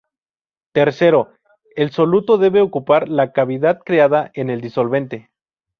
Tercero, el soluto debe ocupar la cavidad creada en el disolvente.